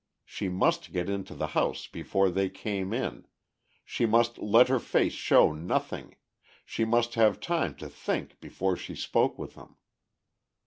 She must get into the house before they came in, she must let her face show nothing, she must have time to think before she spoke with them.